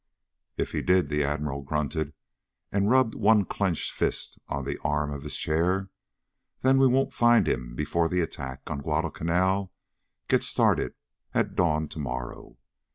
"If he did," the Admiral grunted, and rubbed one clenched fist on the arm of his chair, "then we won't find him before the attack on Guadalcanal gets started at dawn tomorrow.